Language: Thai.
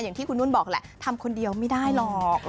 อย่างที่คุณนุ่นบอกแหละทำคนเดียวไม่ได้หรอก